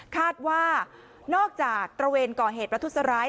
คาดว่านอกจากตระเวนก่อเหตุประทุษร้าย